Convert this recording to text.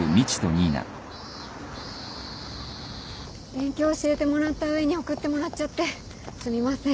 勉強教えてもらった上に送ってもらっちゃってすみません。